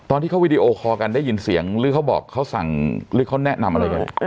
ตอนที่เขาวีดีโอคอลกันได้ยินเสียงหรือเขาบอกเขาสั่งหรือเขาแนะนำอะไรกัน